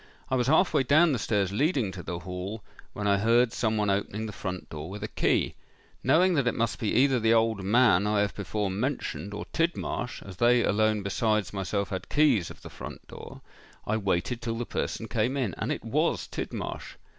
I was half way down the stairs leading to the hall, when I heard some one opening the front door with a key. Knowing that it must be either the old man I have before mentioned, or Tidmarsh, as they alone besides myself had keys of the front door, I waited till the person came in; and it was Tidmarsh.